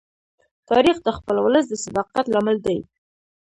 تاریخ د خپل ولس د صداقت لامل دی.